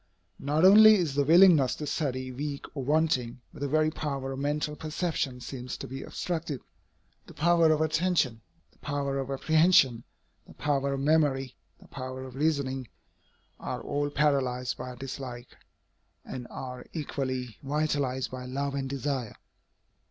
Not only is the willingness to study weak or wanting, but the very power of mental perception seems to be obstructed. The power of attention, the power of apprehension, the power of memory, the power of reasoning, are all paralyzed by dislike, and are equally vitalized by love and desire.